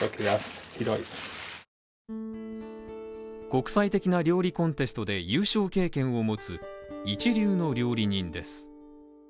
国際的な料理コンテストで優勝経験を持つ一流の料理人です。